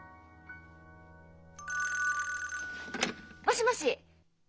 ☎もしもし！